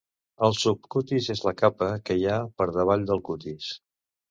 El subcutis és la capa que hi ha per davall del cutis.